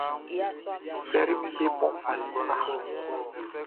Flɛriʼm be bon fan ni kpa.